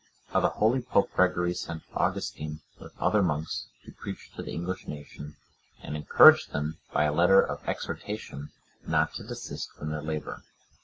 How the holy Pope Gregory sent Augustine, with other monks, to preach to the English nation, and encouraged them by a letter of exhortation, not to desist from their labour.